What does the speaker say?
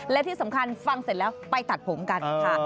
และที่สำคัญฟังเสร็จแล้วไปตัดผมกันค่ะ